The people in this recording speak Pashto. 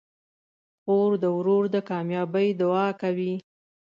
خور د ورور د کامیابۍ دعا کوي.